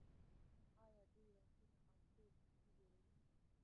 آیا دوی رنګونه او تیل نه جوړوي؟